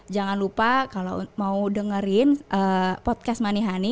jangan lupa kalau mau dengerin podcast manihani